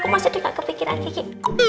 masa dia gak kepikiran kiki